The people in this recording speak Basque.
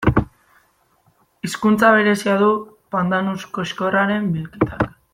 Hizkuntza berezia du pandanus koxkorraren bilketak.